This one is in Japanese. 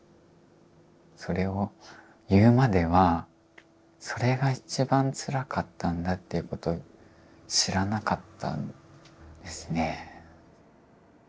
それを言うまではそれが一番つらかったんだっていうことを知らなかったんですね。